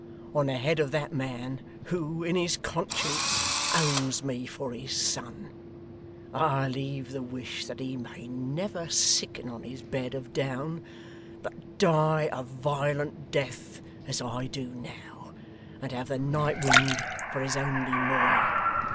On the head of that man, who, in his conscience, owns me for his son, I leave the wish that he may never sicken on his bed of down, but die a violent death as I do now, and have the night wind for his only mourner.